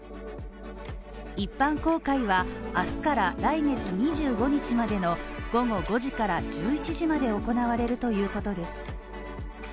一般公開はあすから来月２５日までの午後５時から１１時まで行われるということです。